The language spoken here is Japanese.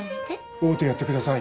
会うてやってください。